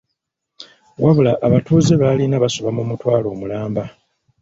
Wabula abatuuze b'alina basoba mu mutwalo omulamba.